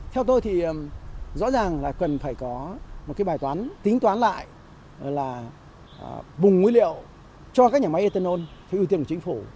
theo tôi thì rõ ràng là cần phải có một cái bài toán tính toán lại là vùng nguyên liệu cho các nhà máy ethanol theo ưu tiên của chính phủ